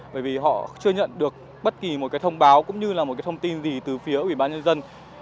bởi vì họ chưa nhận được bất kỳ một cái thông báo cũng như là một cái thông tin gì từ phía ủy ban nhân dân